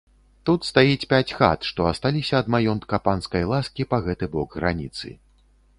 Тут стаіць пяць хат, што асталіся ад маёнтка панскай ласкі па гэты бок граніцы.